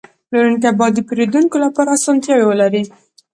پلورنځی باید د پیرودونکو لپاره اسانتیاوې ولري.